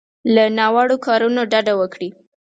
له ناوړو کارونو ډډه وکړي.